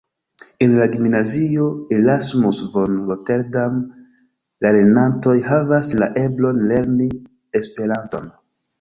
En la gimnazio Erasmus-von-Rotterdam la lernantoj havas la eblon lerni Esperanton.